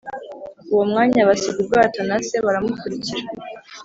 Uwo mwanya basiga ubwato na se baramukurikira.